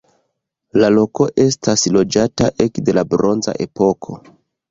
La loko estas loĝata ekde la bronza epoko.